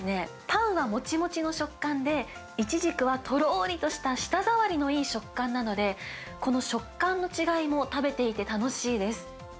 パンがもちもちの食感で、いちじくはとろーりとした、舌触りのいい食感なので、この食感の違いも食べていて楽しいです。